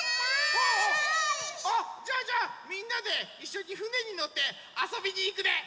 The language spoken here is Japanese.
あじゃあじゃあみんなでいっしょにふねにのってあそびにいくでござんす！